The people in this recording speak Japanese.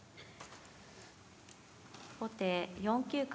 後手４九角。